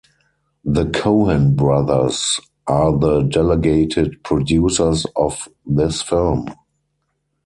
The Cohen brothers are the delegated producers of this film.